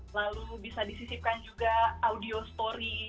lalu bisa disisipkan juga audio story